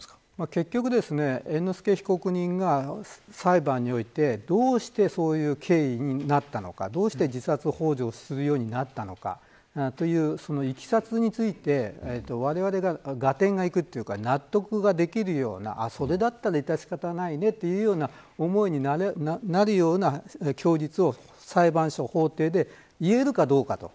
結局、猿之助被告が裁判においてどうしてそういう経緯になったのかどうして自殺ほう助をするようになったのかという、いきさつについてわれわれが合点がいくというか納得ができるようなそれだったら致し方ないねというような思いになるような供述を裁判所、法廷で言えるかどうか。